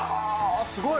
すごい。